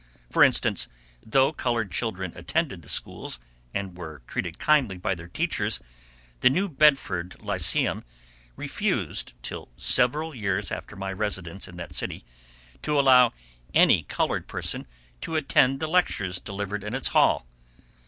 For instance, though colored children attended the schools, and were treated kindly by their teachers, the New Bedford Lyceum refused, till several years after my residence in that city, to allow any colored person to attend the lectures delivered in its hall.